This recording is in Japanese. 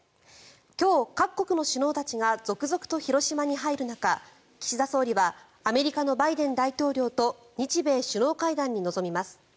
今日、各国の首脳たちが続々と広島に入る中岸田総理はアメリカのバイデン大統領と日米首脳会談に臨みます。